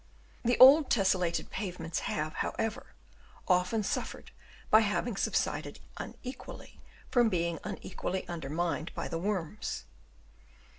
The old tesselated pavements have, however, often suffered by having subsided unequally from being unequally undermined by the worms.